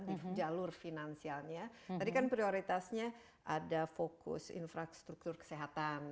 di jalur finansialnya tadi kan prioritasnya ada fokus infrastruktur kesehatan